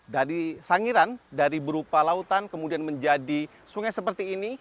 dari sangiran dari berupa lautan kemudian menjadi sungai seperti ini